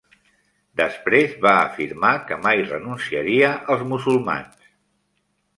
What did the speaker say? Després va afirmar que mai renunciaria als musulmans.